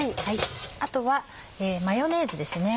あとはマヨネーズですね。